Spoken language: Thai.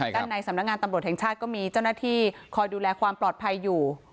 ด้านในสำนักงานตำรวจแห่งชาติก็มีเจ้าหน้าที่คอยดูแลความปลอดภัยอยู่